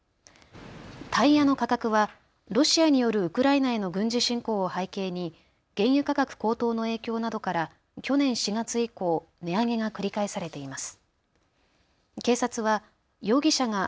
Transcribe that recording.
タイヤの価格はロシアによるウクライナへの軍事侵攻を背景に原油価格高騰の影響などから去年４月以降、値上げが繰り返されています。